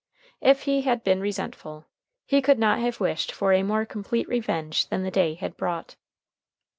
If he had been resentful, he could not have wished for a more complete revenge than the day had brought.